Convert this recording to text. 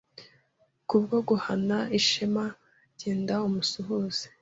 kubwo guhana ishema genda umusuhuze